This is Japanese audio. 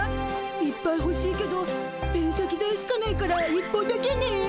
いっぱいほしいけどペン先代しかないから１本だけね。